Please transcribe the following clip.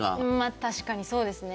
確かにそうですね。